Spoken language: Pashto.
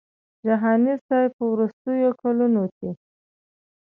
جهاني صاحب په وروستیو کلونو کې.